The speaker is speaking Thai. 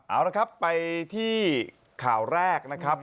เอาละครับไปที่ข่าวแรกนะครับ